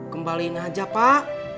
kembaliin aja pak